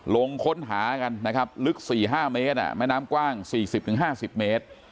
ลงค้นหากันนะครับลึก๔๕เมตรแม่น้ำกว้าง๔๐๕๐เมตร